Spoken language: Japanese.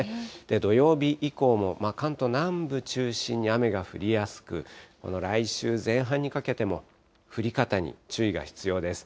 土曜日以降も関東南部中心に雨が降りやすく、来週前半にかけても、降り方に注意が必要です。